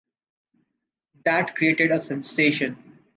That created a sensation!